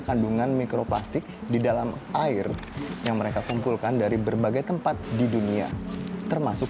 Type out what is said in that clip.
kandungan mikroplastik di dalam air yang mereka kumpulkan dari berbagai tempat di dunia termasuk